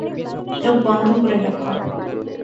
চোখ বন্ধ করে রাখো।